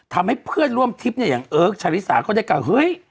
ทำให้เพื่อนร่วมทริปเนี่ยอย่างเอิร์กชาลิสาก็ได้กล่าวเฮ้ย